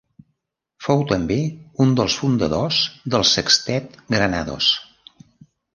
Fou, també, un dels fundadors del sextet Granados.